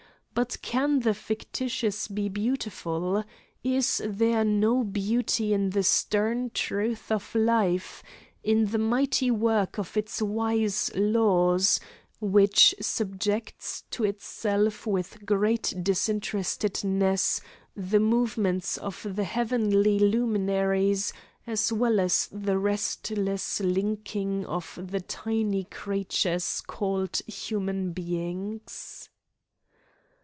But can the fictitious be beautiful? Is there no beauty in the stern truth of life, in the mighty work of its wise laws, which subjects to itself with great disinterestedness the movements of the heavenly luminaries, as well as the restless linking of the tiny creatures called human beings?